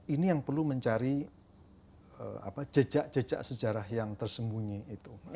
ini yang perlu mencari jejak jejak sejarah yang tersembunyi itu